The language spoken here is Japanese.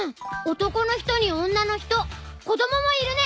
男の人に女の人こどももいるね。